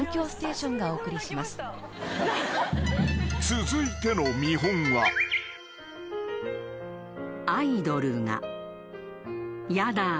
［続いての見本は］やだぁ。